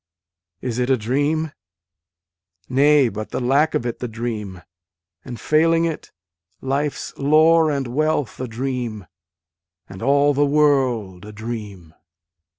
Is it a dream ? Nay but the lack of it the dream, And failing it life s lore and wealth a dream, And all the world a dream.